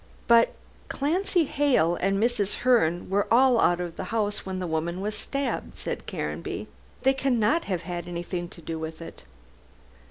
"But Clancy, Hale and Mrs. Herne were all out of the house when the woman was stabbed," said Caranby, "they cannot have anything to do with it."